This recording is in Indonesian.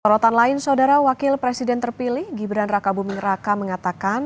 sorotan lain saudara wakil presiden terpilih gibran raka buming raka mengatakan